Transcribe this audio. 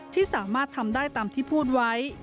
ที่สามารถทำได้ตามที่พูดไว้